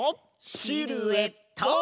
シルエット！